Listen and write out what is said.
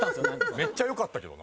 めっちゃ良かったけどな。